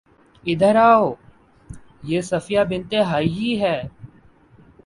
ادھر آؤ، یہ صفیہ بنت حیی ہیں